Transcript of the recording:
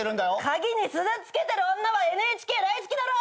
鍵に鈴つけてる女はＮＨＫ大好きだろ！